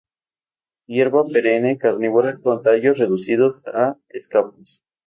Hierba perenne carnívora con tallos reducidos a escapos.